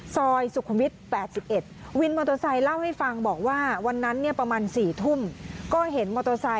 ซอยสุขวิทย์๘๑ยงวินรถไซค์เล่าให้ฟังคนนั้นประมาณ๔ทุ่ม